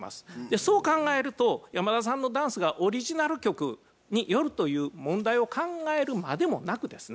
そう考えると山田さんのダンスがオリジナル曲によるという問題を考えるまでもなくですね